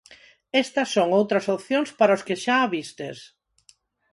Estas son outras opcións para os que xa a vistes.